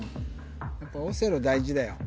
やっぱオセロ大事だよ